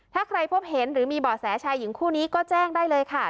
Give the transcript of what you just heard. ถ้าใครพบเห็นหรือมีเบาะแสชายหญิงคู่นี้ก็แจ้งได้เลยค่ะ